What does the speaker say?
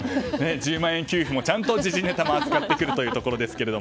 １０万円給付ちゃんと時事ネタも扱ってくるということですが。